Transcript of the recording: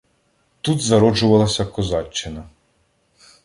Тут зароджувалася козаччина.